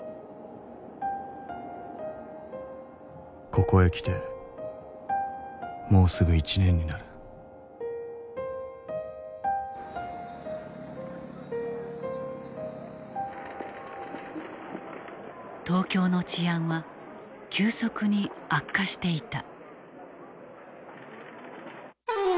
ここへ来てもうすぐ１年になる東京の治安は急速に悪化していた。